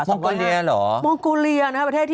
มงโกเลียหรอมงโกเลียนะครับ